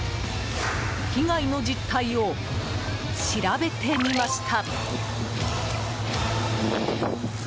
被害の実態を調べてみました。